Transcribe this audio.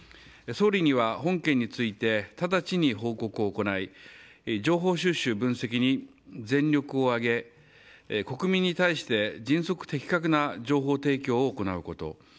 総理には本件についてただちに報告を行い情報収集分析に全力を挙げ国民に対して迅速、的確な情報提供を行うこと。